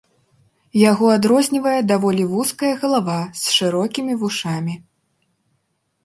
Яго адрознівае даволі вузкая галава з шырокімі вушамі.